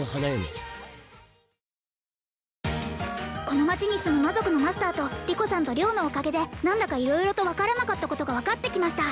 この町に住む魔族のマスターとリコさんと良のおかげで何だか色々と分からなかった事が分かってきました